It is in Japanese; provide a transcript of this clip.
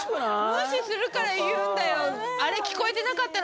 無視するから言うんだよ